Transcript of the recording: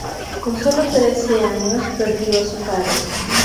Con solo trece años perdió a su padre.